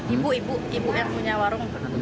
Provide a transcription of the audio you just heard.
ibu ibu ibu yang punya warung